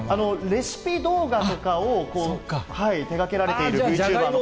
レシピ動画とかを手がけられているＶチューバーの。